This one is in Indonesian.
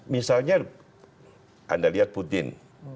misalnya anda lihat putin